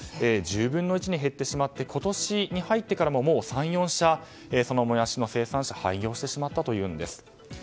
１０分の１に減ってしまって今年に入ってからも３４社もやしの生産者が廃業してしまったということです。